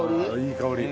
いい香り。